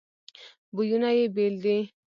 بویونه یې بیل دي.